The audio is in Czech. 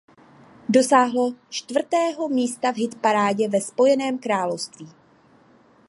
Dosáhlo čtvrtého místa v hitparádě ve Spojeném království.